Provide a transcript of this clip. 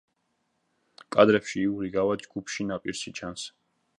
კადრებში იური გავა ჯგუფში ნაპირში ჩანს.